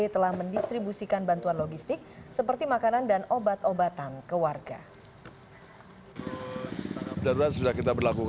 telah mendistribusikan bantuan logistik seperti makanan dan obat obatan ke warga